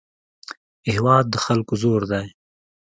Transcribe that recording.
هېواد د خلکو زور دی.